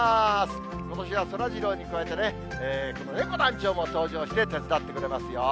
ことしはそらジローに加えて、このねこ団長も登場して手伝ってくれますよ。